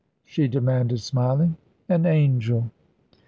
she demanded, smiling. "An angel."